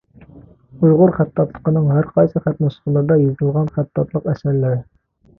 ئۇيغۇر خەتتاتلىقىنىڭ ھەر قايسى خەت نۇسخىلىرىدا يېزىلغان خەتتاتلىق ئەسەرلىرى.